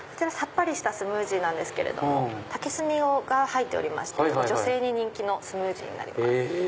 さっぱりしたスムージーなんですけれども竹炭が入っておりまして女性に人気のスムージーです。